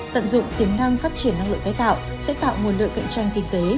tận dụng tiềm năng phát triển năng lượng tái tạo sẽ tạo nguồn lợi cạnh tranh kinh tế